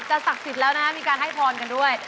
ศักดิ์สิทธิ์แล้วนะครับมีการให้พรกันด้วย